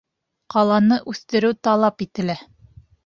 — Ҡаланы үҫтереү талап ителә.